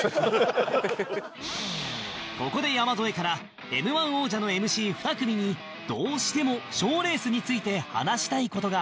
ここで山添から Ｍ−１ 王者の ＭＣ２ 組にどうしても賞レースについて話したい事があるそうで